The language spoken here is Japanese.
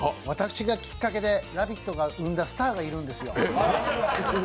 私がきっかけで「ラヴィット！」が生んだスターがいるんですよ。